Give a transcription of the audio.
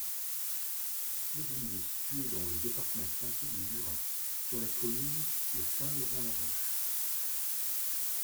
L'église est située dans le département français du Jura, sur la commune de Saint-Laurent-la-Roche.